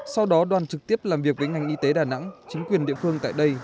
sau đó đoàn trực tiếp làm việc với ngành y tế đà nẵng chính quyền địa phương tại đây